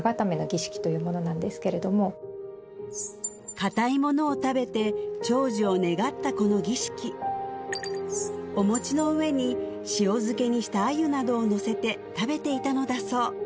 硬いものを食べて長寿を願ったこの儀式お餅の上に塩漬けにした鮎などをのせて食べていたのだそう